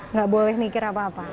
nggak boleh mikir apa apa